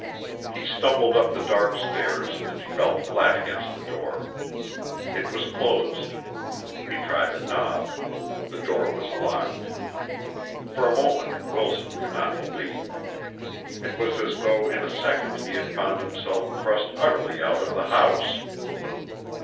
He stumbled up the dark stairs and fell flat against the door. It was closed. He tried the knob; the door was locked. For a moment Wilson could not believe. It was as though in a second he had found himself thrust utterly out of the house.